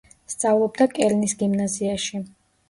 სწავლობდა კელნის გიმნაზიაში.